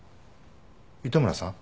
糸村さん